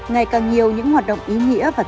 ngày càng nhiều những hoạt động ý nghĩa và thiết kế